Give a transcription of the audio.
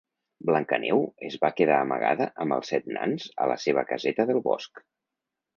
Blancaneu es va quedar amagada amb els set nans a la seva caseta del bosc.